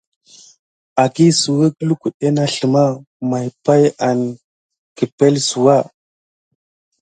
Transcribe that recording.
Akisuwək lukuɗɗe na sləma may pay an kəpelsouwa.